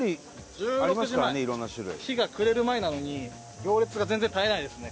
１６時前日が暮れる前なのに行列が全然絶えないですね